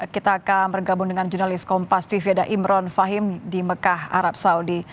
kita akan bergabung dengan jurnalis kompas tv ada imron fahim di mekah arab saudi